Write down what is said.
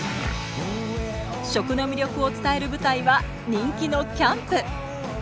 食の魅力を伝える舞台は人気のキャンプ。